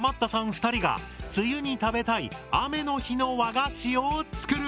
２人が梅雨に食べたい雨の日の和菓子を作る！